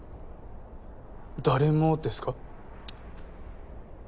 誰もですか？